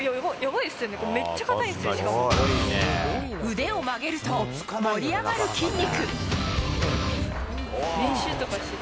腕を曲げると盛り上がる筋肉。